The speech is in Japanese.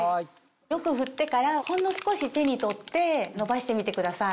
よく振ってからほんの少し手に取って伸ばしてみてください。